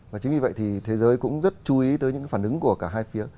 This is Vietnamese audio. và chính vì vậy thì thế giới cũng rất chú ý tới những cái phản ứng của cả hai phía